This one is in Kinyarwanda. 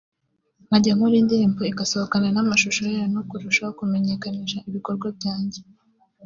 nkajya nkora indirimbo igasohokana n’amashusho yayo no kurushaho kumenyekanisha ibikorwa byanjye